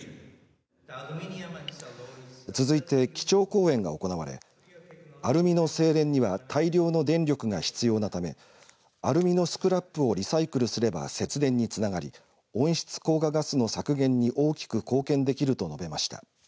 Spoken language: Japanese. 続いて基調講演が行われアルミの精錬には大量の電力が必要なためアルミのスクラップをリサイクルすれば節電につながり温室効果ガスの削減に大きく貢献できると述べました。